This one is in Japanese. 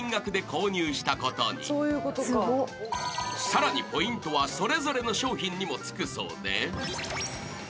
［さらにポイントはそれぞれの商品にもつくそうで］